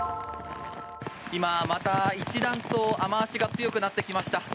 今また一段と雨脚が強くなってきました。